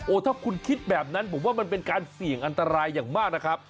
ถ้าคุณคิดแบบนั้นผมว่ามันเป็นการเสี่ยงอันตรายอย่างมากนะครับ